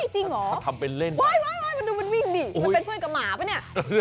จริงเหรอมันวิ่งดิมันเป็นเพื่อนกับหมาป่ะเนี่ย